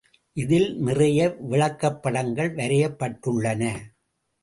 இதில் நிறைய விளக்கப்படங்கள் வரையப்பட்டுள்ளன.